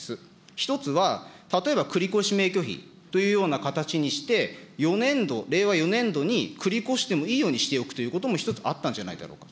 １つは、例えば繰り越しめいきょ費という形にして、４年度、令和４年度に繰り越していいようにしておくということも１つあったんじゃないだろうか。